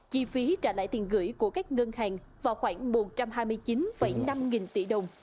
chi phí trả lại tiền gửi của các ngân hàng vào khoảng một trăm hai mươi chín năm nghìn tỷ đồng